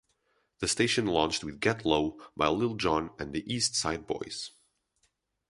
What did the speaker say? The station launched with "Get Low" by Lil Jon and the East Side Boyz.